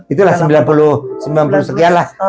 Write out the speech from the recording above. itulah sembilan puluh sekian lah